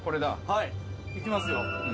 「はい。いきますよ」